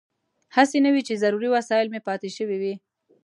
هسې نه وي چې ضروري وسایل مې پاتې شوي وي.